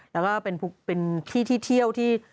แล้วก็เป็นที่ที่เที่ยวที่